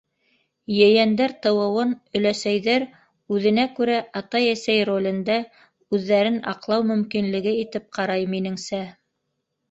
Ейәндәр тыуыуын өләсәйҙәр үҙенә күрә атай-әсәй ролендә үҙҙәрен аҡлау мөмкинлеге итеп ҡарай, минеңсә.